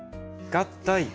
合体。